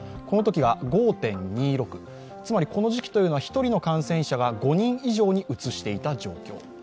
このときが５．２６、つまりこの時期は１人の感染者が５人以上にうつしていた状況。